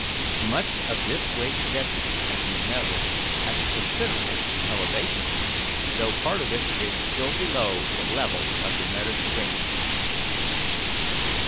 Much of this great desert, as we know, has a considerable elevation, though part of it is still below the level of the Mediterranean.